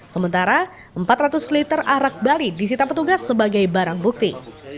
sementara empat ratus liter arak bali disita petugas sebagai barang bukti